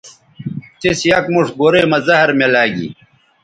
تِس یک موݜ گورئ مہ زہر میلاگی